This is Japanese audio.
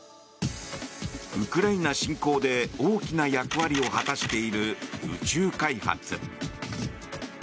ウクライナ侵攻で大きな役割を果たしている宇宙開発。